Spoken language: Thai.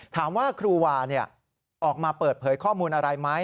ถามว่าครูวาออกมาเปิดเผยข้อมูลอะไรไหม